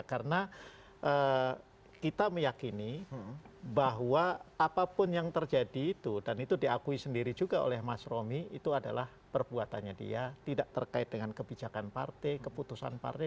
karena kita meyakini bahwa apapun yang terjadi itu dan itu diakui sendiri juga oleh mas romi itu adalah perbuatannya dia tidak terkait dengan kebijakan partai keputusan partai